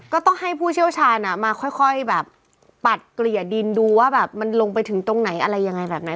ก็ต้องให้ผู้เชี่ยวชาญมาค่อยแบบปัดเกลี่ยดินดูว่าแบบมันลงไปถึงตรงไหนอะไรยังไงแบบไหน